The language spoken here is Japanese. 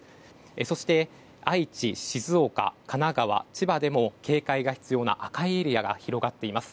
そして、愛知、静岡神奈川、千葉でも警戒が必要な赤いエリアが広がっています。